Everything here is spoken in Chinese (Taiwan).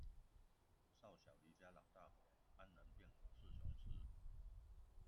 少小離家老大回，安能辨我是雄雌